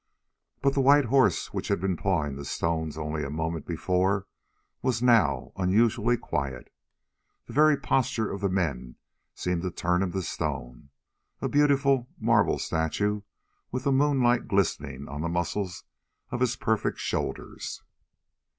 But the white horse which had been pawing the stones only a moment before was now unusually quiet. The very postures of the men seemed to turn him to stone, a beautiful, marble statue with the moonlight glistening on the muscles of his perfect shoulders.